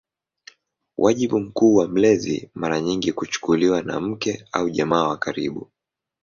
Wajibu mkuu wa mlezi mara nyingi kuchukuliwa na mke au jamaa wa karibu.